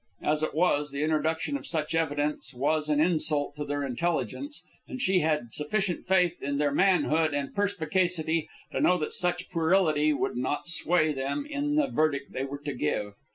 As it was, the introduction of such evidence was an insult to their intelligence, and she had sufficient faith in their manhood and perspicacity to know that such puerility would not sway them in the verdict they were to give.